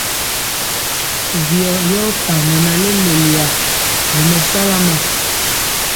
Vyɔ yɔɔ panɔ na leleyiya ri mɛsala ma.